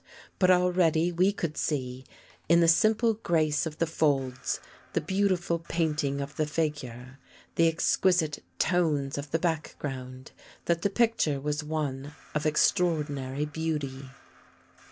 But already we could see in the simple grace of the folds, the beautiful paint ing of the figure, the exquisite tones of the back ground, that the picture was one of extraordinary beauty.